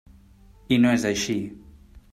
I no és així.